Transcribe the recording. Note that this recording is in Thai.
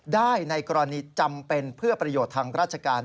ได้ในกรณีจำเป็นเพื่อประโยชน์ทางราชการ